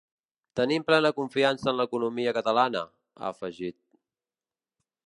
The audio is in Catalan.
Tenim plena confiança en l’economia catalana, ha afegit.